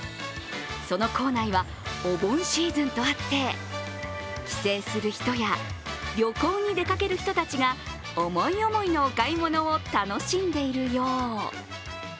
その構内はお盆シーズンとあって帰省する人や旅行に出かける人たちが思い思いのお買い物を楽しんでいるよう。